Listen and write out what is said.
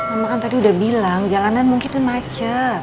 mama kan tadi udah bilang jalanan mungkin macet